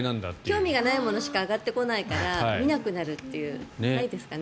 興味がないものしか上がってこないから見なくなる。